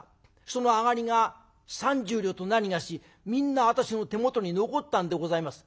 その上がりが３０両となにがしみんな私の手元に残ったんでございます。